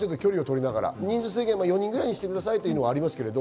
人数制限も４人くらいにしてくださいっていうのはありますけど。